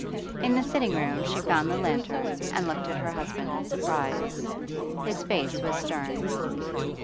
In the sitting room she found the lantern and looked at her husband in surprise. His face was stern.